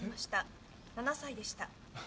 ７歳でした。